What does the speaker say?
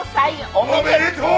おめでとう！